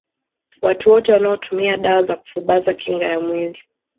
Watu wote wanaotumia dawa za kufubaza kinga ya mwili